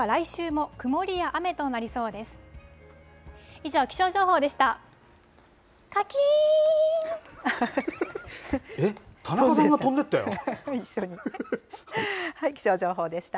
以上、気象情報でした。